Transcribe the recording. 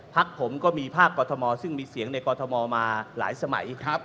พักผมก็มีภาคกรทมซึ่งมีเสียงในกรทมมาหลายสมัย